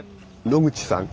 野口さん